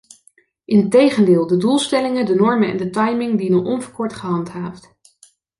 Integendeel, de doelstellingen, de normen en de timing dienen onverkort gehandhaafd.